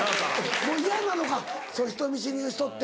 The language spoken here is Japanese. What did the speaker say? もう嫌なのか人見知りの人って。